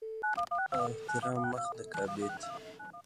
په تعلیم او احترام مخ د کعبې ته.